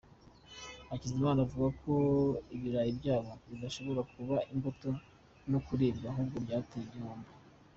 Hakizimana avuga ko ibirayi byabo bidashobora kuba imbuto no kuribwa ahubwo byabateye igihombo.